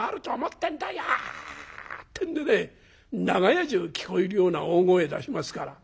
長屋中聞こえるような大声出しますから。